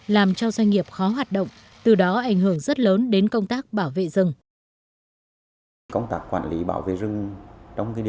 làm cho doanh nghiệp khó hoạt động từ đó ảnh hưởng rất lớn đến công tác bảo vệ rừng